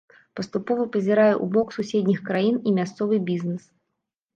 Паступова пазірае ў бок суседніх краін і мясцовы бізнэс.